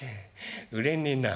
売れねえな。